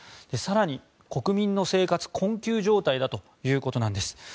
更に、国民の生活困窮状態ということなんです。